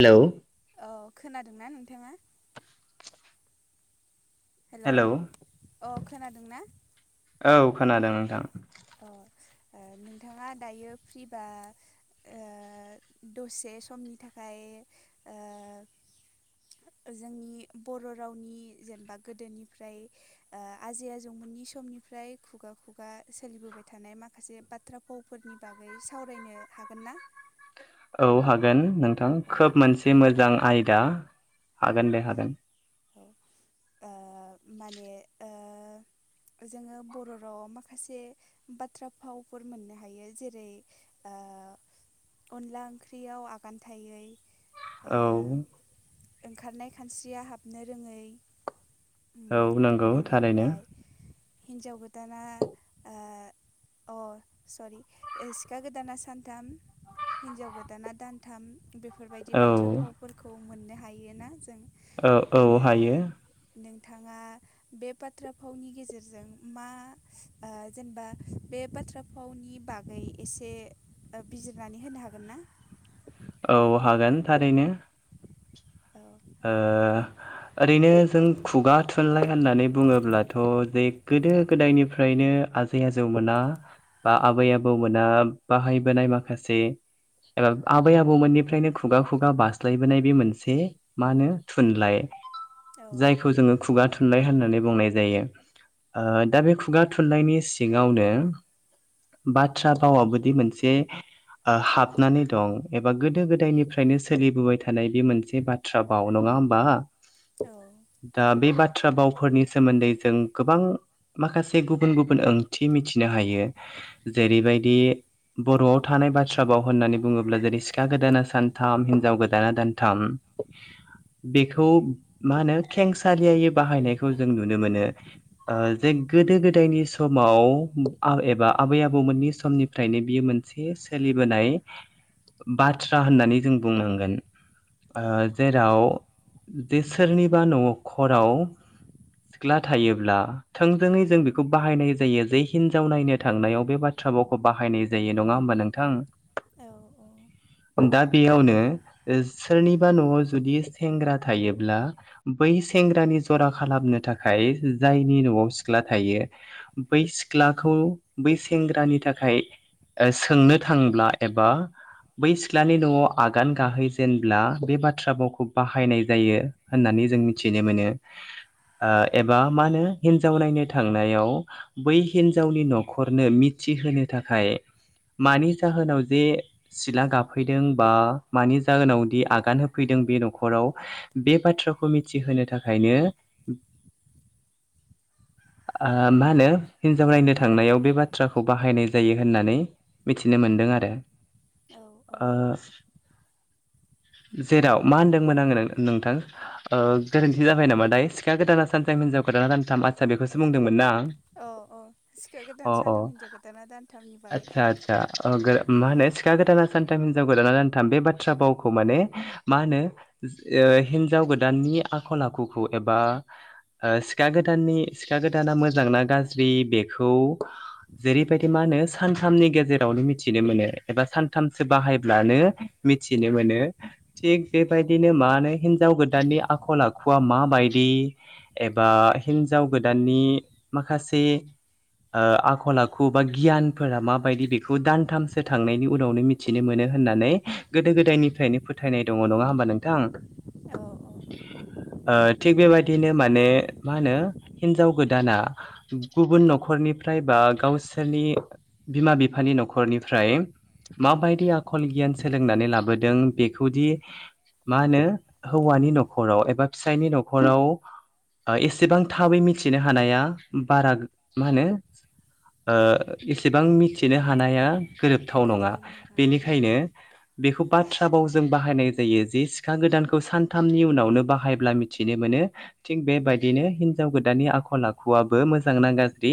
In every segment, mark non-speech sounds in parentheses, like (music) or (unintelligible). Hello. औ खोनादोंना नोंथाङा? हेलौ अ खोनादों ना? औ खोनादों नोंथां। औ। ओ नोंथाङा दायो फ्रिबा ओ दसे समनि थाखाय ओ। (inaudible) जोंनि बर' रावनि जेनेबा गोदोनिफ्राय ओ आजै आजौमोननि समनि ओमफ्राय खुगा खुगा सोलिबोबाय थानाय माखासे बाथ्रा भावफोरनि बागै सावरायनो हागोन ना? औ हागोन नोंथां अ खोब औ मोनसे मोजां आयदा औ हागोन दे हागोन ओ माने ओ जोङो बर' रावाव माखासे बाथ्रा फावफोर मोननो हायो जेरै ओ ओ अनला ओंख्रियाव आगान थायै ओ औ ओंखारनाय खानस्रिया हाबनो रोङै उम औ नंगौ थारैनो हिनजाव गोदाना अ सरि सिखा गोदाना सानथाम हिनजाव गोदाना दानथाम बेफोरबायदि औ बाथ्रा फावफोरखौ मोननो हायोना जों औ औ हायो बिथाङा बे बाथ्रा भावनि गेजेरजों मा जेनेबा बे बाथ्राफावनि बागै एसे बिजिरनानै होनो हागोन ना औ हागोन थारैनो औ ओ ओरैनो जों खुगा थुनलाइ होननानै बुङोब्लाथ' जे गोदो गोदायनिफ्रायनो आजै आजौ मोना बा आबै आबौ मोना बाहायबोनाय माखासे एबा आबै आबौमोननिफ्रायनो खुगा खुगा बास्लायबोनाय बे मोनसे मा होनो थुनलाइ औ जायखौ जोङो खुगा थुन थुनलाइ होननानै बुंनाय जायो ओ दा बे खुगा थुनलाइनि सिङावनो बाथ्रा भावाबोदि मोनसे ओ हाबनानै दं एबा गोदो गोदायनिफ्रायनो सोलिबोबाय थानाय बे मोनसे बाथ्रा बाथ्रा फाव नङा होमबा औ दा बे बाथ्रा बाथ्रा भावफोरनि सोमोन्दै जों गोबां माखासे गुबुन गुबुन ओंथि मिथिनो हायो जेरैबायदि बर'आव थानाय बाथ्रा बाव होननानै बुङोब्ला जेरै सिखा गोदाना सानथाम हिनजाव गोदाना दानथाम (inaudible) बेखौ मा होनो खेंसालियै बाहायनायखौ जों नुनो मोनो ओ जे गोदो गोदायनि समाव एबा आबै आबौमोननि समनिफ्रायनो बियो मोनसे सो लिबोनाय बाथ्रा होननानै जों बुंनांगोन ओ औ जेराव जे सोरनिबा नखराव सिख्ला थायोब्ला थोंजोङै जों बेखौ बाहायनाय जायो जे हिनजाव नायनो थांनायाव बे बाथ्रा बाथ्रा भावखौ बाहायनाय जायो नङा होमबा नोंथां औ औ दा बेयावनो सोरनिबा न'आव जुदि सेंग्रा थायोब्ला बै सेंग्रानि जरा खालामनो थाखाय जायनि न'आव सिख्ला थायो बै सिख्लाखौ बै सेंग्रानि थाखाय सोंनो थांब्ला एबा बै सिख्लानि न'आव आगान गाहै जेन बे बाथ्रा बावखौ बाहायनाय जायो होननानै जों मिथिनो मोनो ओ एबा मा होनो हिन्जाव नायनो थांनायाव बै हिनजावनि न'खरनो थि होनो थाखाय मानि जाहोनाव जे सिला गाबफैदों बा मानि जाहोनाव आगान होफैदों बे न'खराव बे बाथ्राखौ मिथिहोनो थाखायनो (inaudible) ओ मा होनो हिन्जाव नायनो थांनायाव बे बाथ्राखौ बाहायनाय जायो होननानै मिथिनो मोन मोनदों आरो औ ओ जेराव मा होनदोंमोन आङो नोंथां ओ गोरोन्थि जाबाय नामा दायो सिखा गोदाना सान हिनजाव गोदान दानथाम आस्सा बेखौसो बुंदोंमोनना आं औ औ सिखा गोदान सानथाम हिनजाव गोदाना दानथामनि बागै आदसा आदसा ओ मा होनो सिखा गोदाना सानथाम हिनजाव गोदाना सानथाम बे बाथ्रा भाव खौ माने मा होनो ओ हिनजाव गोदाननि आखल आखुखौ एबा ओ सिखा गोदाननि सिखा गोदाना मोजां ना गाज्रि बेखौ जेरैबायदि मा होनो सानथामनि गेजेरावनो मिथिनो मोनो एबा सानथामसो बाहायब्लानो मिथिनो मोनो। थिग बेबायदिनो मा होनो हिनजाव गोदाननि आखल आखुआ माबायदि एबा हिन्जाव गोदाननि माखासे ओ आखल आखु बा गियानफोरा माबायदि बेखौ दानथामसो थांनायनि उनावनो मिथिनो मोनो। होननानै गोदो गोदायनिफ्रायनो फोथायनाय दङ नङा होमबा नोंथां। (inaudible) ओ थिग बेबायदिनो माने मा होनो हिनजाव गोदाना गुबुन न'खरनि फ्राय बा गावसोरनि बिमा बिफानि न'खरनिफ्राय माबायदि आखल गियान सोलोंनानै लाबोदों बेखौदि मा होनो हौवानि न'खराव एबा फिसायनि न'खराव एसेबां थाबै मिथिनो हानाया बारा मा होनो ओ इसेबां मिथिनो हानाया गोरोबथाव नङा गोरलै औ बेनिखायनो बेखौ बा थ्रा भावजों बाहायनाय जायो जे सिखा गोदानखौ सानथामनि उनावनो बाहायब्ला मिथिनो मोनो। थि बेबायदिनो हिनजाव गोदाननि आखल आखुआबो मोजांना गाज्रि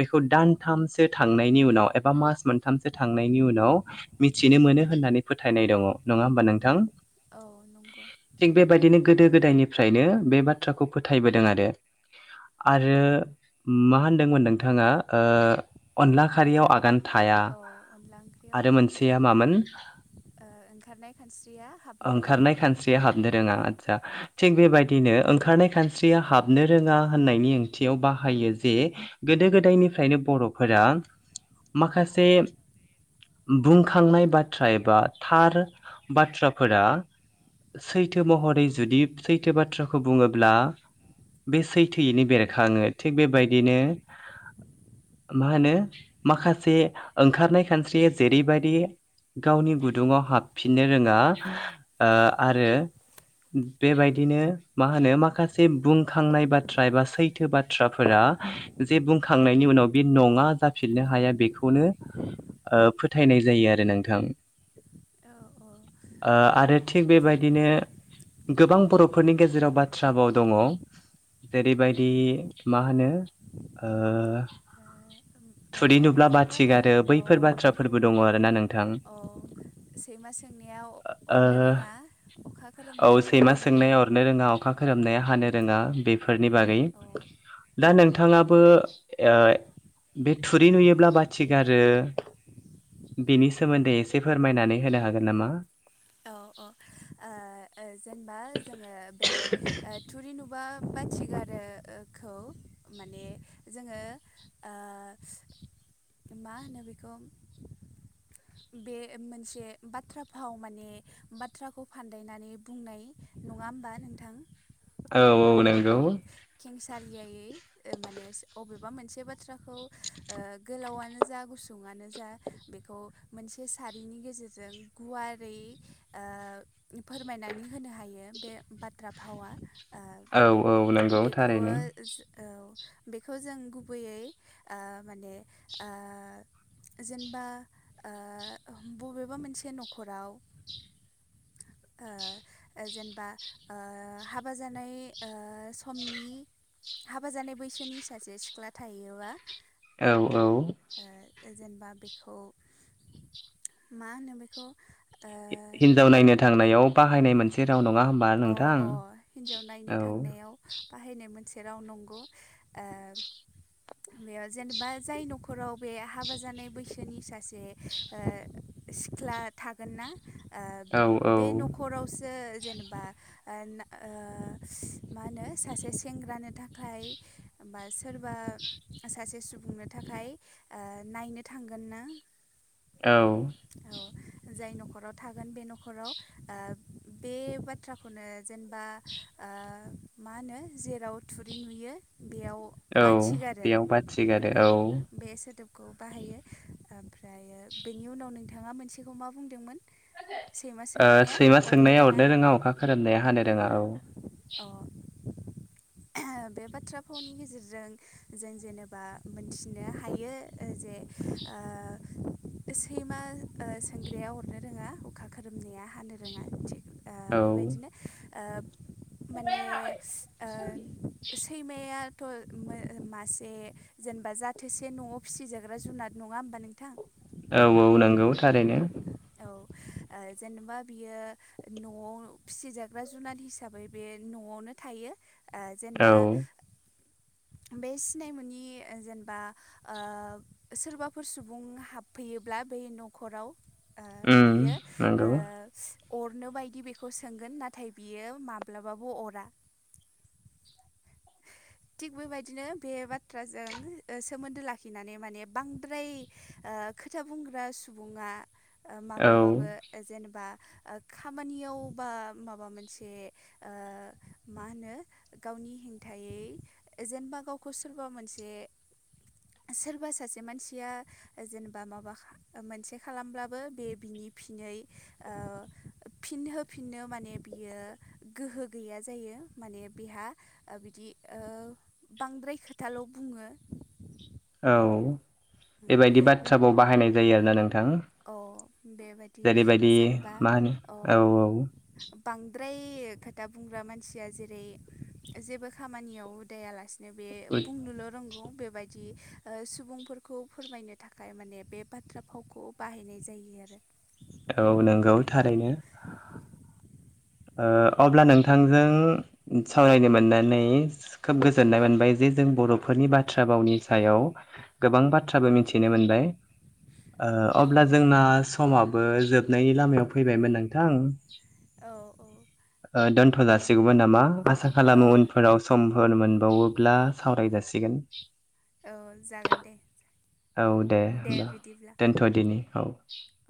बेखौ दानथामसो थांनायनि उनाव एबा मास मोनथामसो थांनायनि उनाव मिथिनो मोनो होननानै फोथायनाय दङ। नङा होमबा नोंथां? औ नंगौ। थिग बेबायदिनो गोदो गोदायनिफ्रायनो बे बाथ्राखौ फोथायबोदों आरो आरो मा होनदोंमोन नोंथाङा ओ। अनला खारियाव ओंखारनाय आगान थाया औ अनला ओंख्रियाव आरो आगोन मोनसेया मामोन थाया ओंखारनाय ओ ओंखारनाय खानस्रिया हाब नोरोङा आसा थिग बेबायदिनो ओंखारनाय खानस्रिया हाबनो रोङा होननायनि ओंथियाव बा हायो जे गोदो गोदायनिफ्रायनो बर'फोरा माखासे बुंखांनाय बाथ्रा एबा थार बाथ्राफोरा सैथो महरै जुदि सैथो बाथ्राखौ बुङोब्ला बे सैथोयैनो बेरखाङो थिग बेबायदिनो मा होनो माखासे ओंखारनाय खानस्रिया जेरैबायदि गावनि गुदुङाव हाबफिननो रोङा ओ आरो बेबायदिनो मा होनो माखासे बुंखांनाय बाथ्रा एबा सैथो बाथ्राफोरा जे बुंखांनायनि उनाव बे नङा जाफिननो हाया बेखौनो फोथायनाय जायो आरो नोंथां। औ औ ओ आरो थिग बेबायदिनो गोबां बर'फोरनि गेजेराव बाथ्राभाव दङ। जेरैबायदि मा होनो ओ? थुरै नुब्ला बेफोरनि मादाव बाथिगारो अ बैफोर बेखौ बाथ्राफोरबो दङ आरो ना नोंथां। अ सैमा सोंनाया अरनो ओ, रोङा अखा (inaudible) औ खोरोमनाया सैमा हानो रोङा सोंनाया अ अरनो रोङा अखा खोरोमनाया हानो रोङा बेफोरनि बागै। अ दा औ नोंथाङाबो ओ बे थुरि नुयोब्ला बाथि गारो बेनि सोमोन्दै एसे फोरमायनानै होनो हागोन नामा? औ ओ ओ जेनेबा जोङो बे थुरि नु बा बाथि गारोखौ माने जोङो ओ मा होनो बेखौ? बे मोनसे बाथ्रा फाव माने बाथ्राखौ फान्दायनानै बुंनाय नङा होमबा नोंथां? औ औ नंगौ। सालियायै ओ माने अबेबा मोनसे बाथ्राखौ ओ गोलावानो जा गुसुङानो। मानो जा बेखौ मोनसे सारिनि गेजेरजों गुवारै ओ। फोरमायनानै होनो हायो बे बाथ्रा भावा‌ ओ। औ-औ नंगौ बेखौ थारैनो। औ बेखौ जों गुबैयै ओ माने ओ। जेनेबा ओ बबेबा मोनसे न'खराव‌। (unintelligible) ओ जेनेबा ओ हाबा जानाय ओ समनि। हाबा जानाय बैसोनि सासे सिख्ला थायोबा। औ-औ। ओ जेनेबा बेखौ मा होनो बेखौ। हिनजाव नायनो थांनायाव बाहायनाय मोनसे राव नङा होम। अ-अ हिनजाव नायनो थांनायाव बाहायनाय मोनसे। जेराव नंगौ ओ। बेयाव जेनेबा जाय न'खराव बे हाबा जानाय बैसोनि सासे ओ। सिख्ला थागोनना ओ औ औ बे न'खरावसो जेनेबा। ओ ना ओ मा होनो सासे सेंग्रानो थाखाय बा सोर। सोरबा सासे सुबुंनो थाखाय ओ नायनो थांगोन ना। औ औ जाय न'खराव थागोन बे न'खराव ओ बे बाथ्रा। खौनो जेनेबा ओ मा होनो जेराव थुरि नुयो। बेयाव औ बाथि गारो बेयाव बाथिगारो औ। खौ बाहायो ओमफ्रायो बेनि उनाव नोंथाङा मोनसेखौ मा बुंदोंमोन? ओ सैमा सोंनाया अरनो रोङा अखा खोमनाया हानो रोङा औ। अ! बे बाथ्रा भावनि गेजेरजों जों जेनेबा मोनथिनो हायो जे। ओ। सैमा ओ सोंग्राया अरनो रोङा अखा खोरोमनाया हानो रोङा दि। ओ औ बेबायदिनो ओ माने ओ। सैमायाथ' मासे जेनेबा जाथोसे न'आव फिसिजाग्रा जुनार नङ। औ-औ नंगौ थारैनो। औ। ओ जेनेबा बियो न'आव फिसिजाग्रा जुनार हिसाबै बे न'आवनो थायो। ओ औ जेनेबा। बे सिनायमोनि जेनेबा ओ सोरबाफोर सुबुं हाबफै। योब्ला बे न'खराव। ओम बियो नंगौ। ओ अरनो बायदि बेखौ सोंगोन नाथाय बियो माब्लाबाबो अरा। (unintelligible) थिग बेबायदिनो बे बाथ्राजों सोमोन्दो लाखिनानै माने बांद्राय। ओ खोथा बुंग्रा सुबुङा औ माब्लाबाबो जेनेबा। ओ खामानियाव बा माबा मोनसे ओ मा होनो गाव। नि हेंथायै जेनेबा गावखौ सोरबा मोनसे। सोरबा सासे मानसिया जेनेबा माबा मोनसे खालामब्लाबो। बे बिनि फिनै ओ फिनहोफिननो माने बियो गोहो। गैया जायो माने बेहा बिदि ओ बांद्राय खोथाल' बुङो। (inaudible) औ बेबायदि बाथ्राखौ बाहायनाय जायो आरोना नोंथां? अ बेबायदि जेरैबायदि जेनेबा मा होनो अ। औ बांद्राय खोथा बुंग्रा मानसिया जेरै जेबो खामानियाव हुदायालासेनो। बे औ बुंनोल' रोंगौ बेबायदि। ओ सुबुंफोरखौ फोरमायनो थाखाय माने बे बाथ्रा फावखौ बाहायनाय जायो आरो औ नोंगौ थारैनो ओ अब्ला नोंथांजों सावरायनो मोननानै खोब गोजोननाय मोनबाय जे जों बर'फोरनि बाथ्रा भावनि सायाव गोबां बाथ्राबो मिथिनो मोनबाय (inaudible) ओ औ अब्ला जोंना समाबो जोबनायनि लामायाव फैबायमोन नोंथां औ ओ दोनथ' जासिगौमोन नामा आसा औ खालामो उनफोराव सम फोर मोनबावोब्ला सावराय जाासिगोन औ जागोन दे औ दे होनबा दोनथ'दिनि औ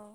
औ